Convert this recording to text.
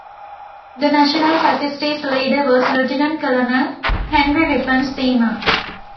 The National Fascisti's leader was Lieutenant Colonel Henry Rippon-Seymour.